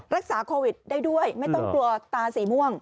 รักษาโควิดได้ด้วยไม่ต้องกลัวตาสีม่วง